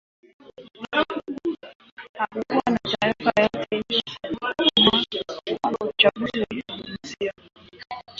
Hakukuwa na taarifa yoyote iliyosema kwamba uchaguzi ulizungumziwa